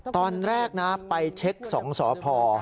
ตอนแรกนะไปเช็คสองสอพค์